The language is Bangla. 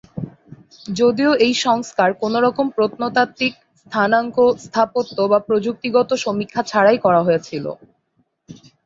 যদিও এই সংস্কার কোনোরকম প্রত্নতাত্ত্বিক, স্থানাঙ্ক, স্থাপত্য বা প্রযুক্তিগত সমীক্ষা ছাড়াই করা হয়েছিল।